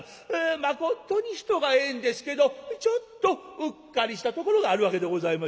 まことに人がええんですけどちょっとうっかりしたところがあるわけでございましてね。